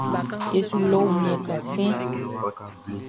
E su lo wunmiɛn kan siɛnʼn.